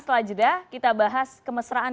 setelah jeda kita bahas kemesraan